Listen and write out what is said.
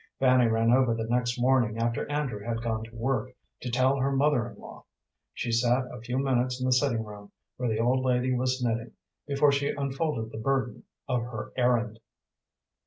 Fanny ran over the next morning, after Andrew had gone to work, to tell her mother in law. She sat a few minutes in the sitting room, where the old lady was knitting, before she unfolded the burden of her errand.